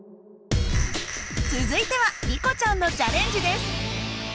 続いてはリコちゃんのチャレンジです。